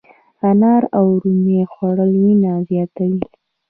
انار او رومي خوړل وینه زیاتوي.